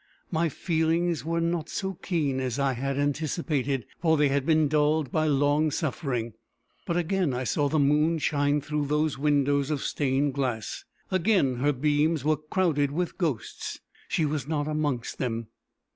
My feelings were not so keen as I had anticipated, for they had been dulled by long suffering. But again I saw the moon shine through those windows of stained glass. Again her beams were crowded with ghosts. She was not amongst them.